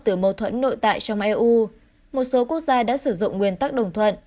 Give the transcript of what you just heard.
từ mâu thuẫn nội tại trong eu một số quốc gia đã sử dụng nguyên tắc đồng thuận